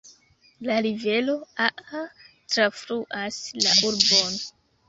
La rivero Aa trafluas la urbon.